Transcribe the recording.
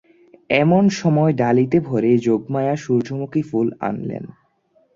এমন সময় ডালিতে ভরে যোগমায়া সূর্যমুখী ফুল আনলেন।